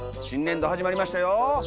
新年度始まりましたよ！